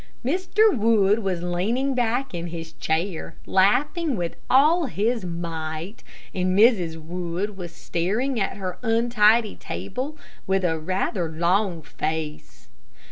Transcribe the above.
Mr. Wood was leaning back in his chair, laughing with all his might, and Mrs. Wood was staring at her untidy table with rather a long face.